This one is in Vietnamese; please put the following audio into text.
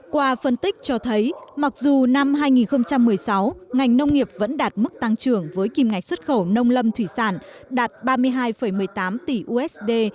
qua phân tích cho thấy mặc dù năm hai nghìn một mươi sáu ngành nông nghiệp vẫn đạt mức tăng trưởng với kim ngạch xuất khẩu nông lâm thủy sản đạt ba mươi hai một mươi tám tỷ usd